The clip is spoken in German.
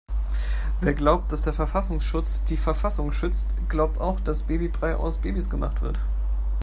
Wer glaubt, dass der Verfassungsschutz die Verfassung schützt, glaubt auch dass Babybrei aus Babys gemacht wird.